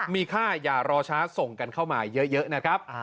มีค่าอย่ารอช้าส่งกันเข้ามาเยอะนะครับ